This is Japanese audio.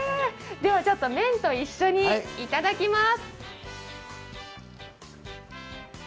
では麺と一緒に頂きます。